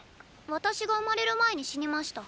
私が生まれる前に死にました。